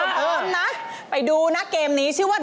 เป็นไรคะกะติกา